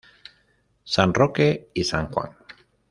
San Roque y San Juan.